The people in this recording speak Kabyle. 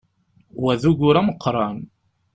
Wa d ugur ameqqran!